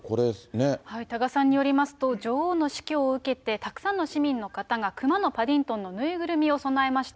多賀さんによりますと、女王の死去を受けて、たくさんの市民の方が、くまのパディントンの縫いぐるみを供えました。